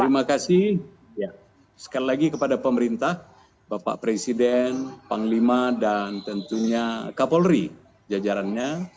terima kasih sekali lagi kepada pemerintah bapak presiden panglima dan tentunya kapolri jajarannya